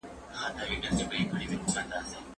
ډاکټر زیار پرون په پوهنتون کي وینا وکړه.